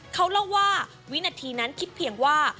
เขาเล่าว่าวินาทีนั้นคิดเพียงว่า